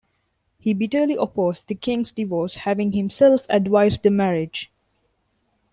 He bitterly opposed the king's divorce, having himself advised the marriage.